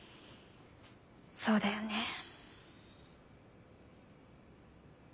そうだよね。